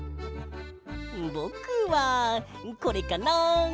ぼくはこれかな。